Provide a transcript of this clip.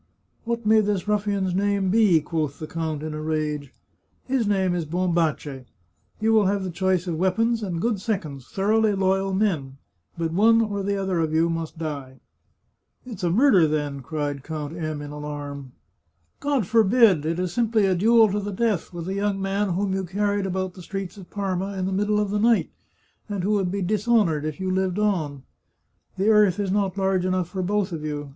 " What may this ruffian's name be ?" quoth the count in a rage. " His name is Bombace. You will have the choice of weapons, and good seconds, thoroughly loyal men ; but one or the other of you must die." " It's a murder, then !" cried Count M in alarm. " God forbid ! It is simply a duel to the death, with a young man whom you carried about the streets of Parma in the middle of the night, and who would be dishonoured if you lived on. The earth is not large enough for both of you.